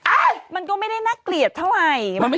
อ๊ามันก็ไม่ได้น่าเกลียดต้วมันไง